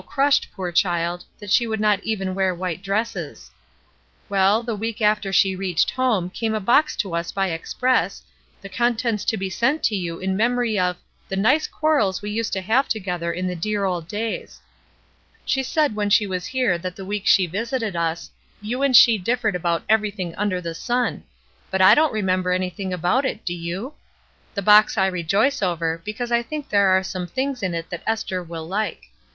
crushed, poor child, that she would not even HOME 289 wear white dresses/ Well, the week after she reached home came a box to us by express, the contents to be sent to you in memory of 'the nice quarrels we used to have together in the dear old days.' She said when she was here that the week she visited us, you and she differed about everything under the sun, but I don't remember anything about it, do you? The box I rejoice over, because I think there are some things in it that Esther will like.